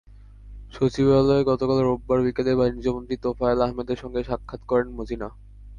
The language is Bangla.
সচিবালয়ে গতকাল রোববার বিকেলে বাণিজ্যমন্ত্রী তোফায়েল আহমেদের সঙ্গে সাক্ষাৎ করেন মজীনা।